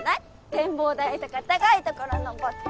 展望台とか高い所上って。